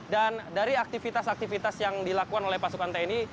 dan dari aktivitas aktivitas yang dilakukan oleh pasukan tni